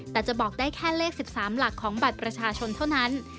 แต่จะบอกได้แค่เลข๑๓หลักของบัตรประชาชนเท่านั้น